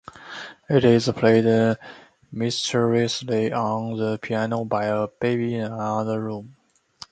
It is played mysteriously on the piano by a baby in another room.